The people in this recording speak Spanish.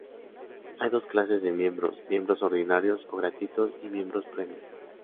Hay dos clases de miembros: miembros ordinarios o gratuitos, y miembros premium.